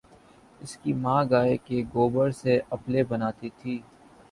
اس کی ماں گائےکے گوبر سے اپلے بناتی ہے